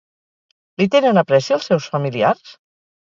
Li tenen apreci els seus familiars?